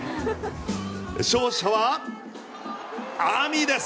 勝者はＡｍｉです。